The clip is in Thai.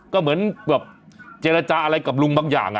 ก็เหมือนแบบเจรจาอะไรกับลุงบางอย่าง